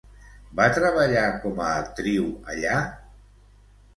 Va treballar com a actriu allà?